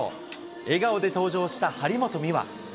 笑顔で登場した張本美和。